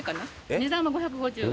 値段も５５０円。